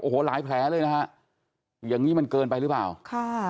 โอ้โหหลายแผลเลยนะฮะอย่างงี้มันเกินไปหรือเปล่าค่ะ